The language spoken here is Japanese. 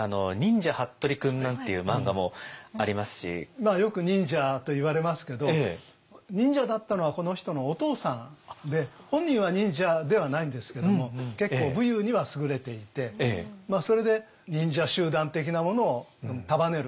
まあよく忍者といわれますけど忍者だったのはこの人のお父さんで本人は忍者ではないんですけども結構武勇には優れていてそれで忍者集団的なものを束ねる。